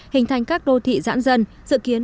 hình thành các đô thị dãn dân dự kiến